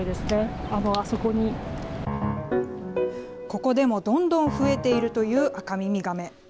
ここでもどんどん増えているというアカミミガメ。